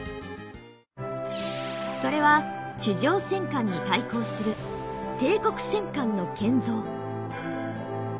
それは地上戦艦に対抗する帝国戦艦の建造。